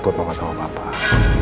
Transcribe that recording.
buat bapak sama bapak